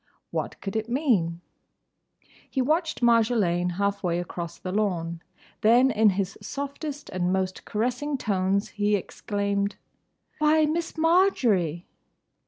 What could it mean? He watched Marjolaine half way across the lawn. Then in his softest and most caressing tones he exclaimed, "Why, Miss Marjory—!"